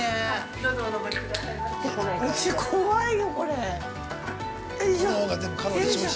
◆どうぞ、お上りくださいまし。